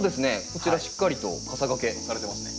こちらしっかりとかさがけされてますね。